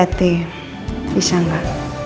hati hati bisa enggak